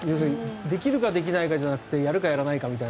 できるかできないかじゃなくてやるかやらないかと。